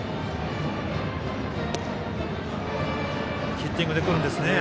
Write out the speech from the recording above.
ヒッティングで来るんですね。